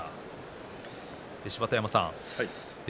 芝田山さん